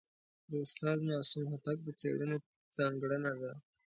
د استاد معصوم هوتک د څېړني ځانګړنه ده.